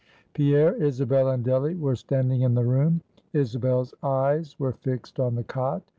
Pierre, Isabel, and Delly were standing in the room; Isabel's eyes were fixed on the cot.